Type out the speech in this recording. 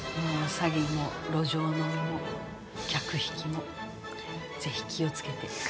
詐欺も路上飲みも客引きもぜひ気を付けて。